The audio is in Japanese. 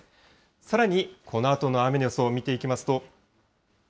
さらにこのあとの雨の予想を見ていきますと。